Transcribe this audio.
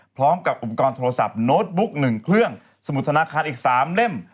พร้อมกับอุปกรณ์โทรศัพท์โน้ตบุ๊ก๑เครื่องสมุดธนาคารอีก๓เล่ม